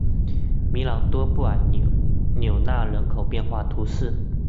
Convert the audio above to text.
米朗多布尔纽纳人口变化图示